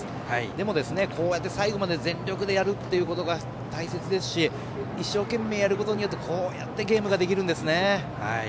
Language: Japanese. でも、こうやって最後まで全力でやるということが大切で一生懸命やることによってこういったゲームができるんですね。